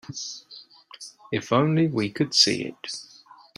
If only we could see it.